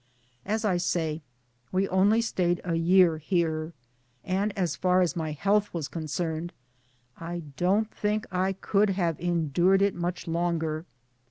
As I say, we only stayed a year here, and as far as my health was concerned I don't think I could have endured it much longer.